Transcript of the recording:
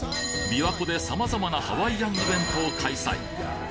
琵琶湖で様々なハワイアンイベントを開催